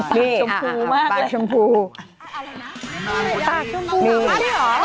ปากชมพูมาก